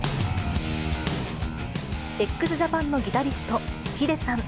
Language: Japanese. ＸＪＡＰＡＮのギタリスト、ｈｉｄｅさん。